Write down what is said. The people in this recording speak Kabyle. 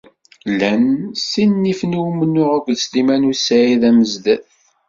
Llan ssinifen i umennuɣ akked Sliman u Saɛid Amezdat.